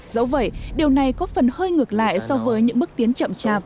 dẫu vậy điều này có phần hơi ngược lại so với những bước tiến chậm chạp